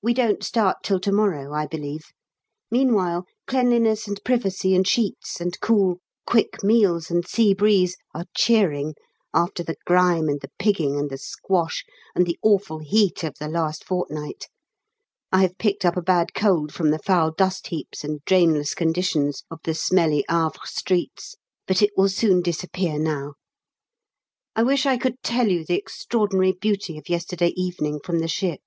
We don't start till to morrow, I believe; meanwhile, cleanliness and privacy and sheets, and cool, quick meals and sea breeze, are cheering after the grime and the pigging and the squash and the awful heat of the last fortnight. I have picked up a bad cold from the foul dust heaps and drainless condition of the smelly Havre streets, but it will soon disappear now. I wish I could tell you the extraordinary beauty of yesterday evening from the ship.